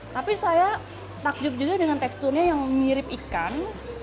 tapi saya takjub juga dengan teksturnya yang mirip ikan